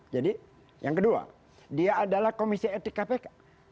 jadi yang kedua dia adalah komisi etik kpk